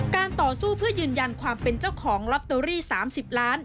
ต่อสู้เพื่อยืนยันความเป็นเจ้าของลอตเตอรี่๓๐ล้าน